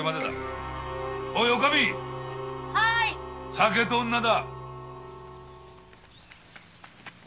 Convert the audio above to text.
酒と女だ。